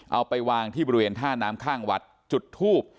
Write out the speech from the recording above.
เอาไปวางที่บริเวณท่าน้ำข้างวัดจุดทูบ